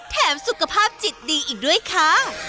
สุขภาพจิตดีอีกด้วยค่ะ